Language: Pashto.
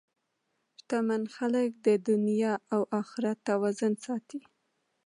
شتمن خلک د دنیا او اخرت توازن ساتي.